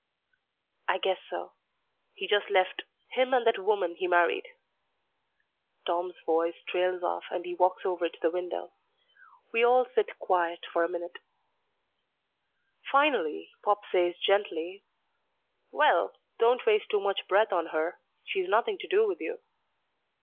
"I guess so. He just left. Him and that woman he married." Tom's voice trails off and he walks over to the window. We all sit quiet a minute. Finally Pop says gently, "Well, don't waste too much breath on her. She's nothing to do with you."